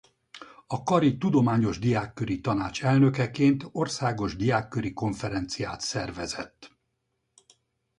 A kari Tudományos Diákköri Tanács elnökeként országos diákköri konferenciát szervezett.